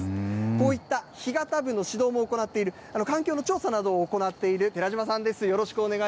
こういったひがた部の指導も行っている、環境の調査などを行っているてらしまさんです。